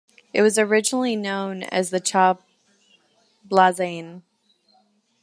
It was originally known as the "chablaisienne".